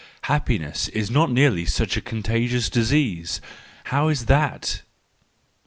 — Happiness is not nearly such a contagious disease ; —how is that ?